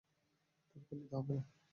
পরীক্ষা দিতে হবে না।